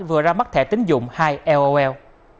vừa ra mắt thẻ tính dụng hai lol